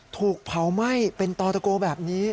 ถูกเผาไหม้เป็นตอตะโกแบบนี้